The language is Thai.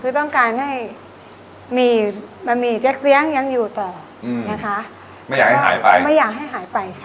คือต้องการให้มีบะหมี่เจ๊เฟี้ยงยังอยู่ต่ออืมนะคะไม่อยากให้หายไปไม่อยากให้หายไปค่ะ